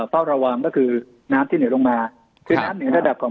เฝ้าระวังก็คือน้ำที่เหนือลงมาคือน้ำเหนือระดับของ